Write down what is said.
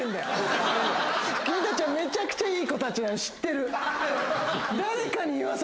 君たちはめちゃくちゃいい子たちなの知ってる。